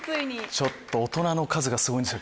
ちょっと大人の数がすごいんですよ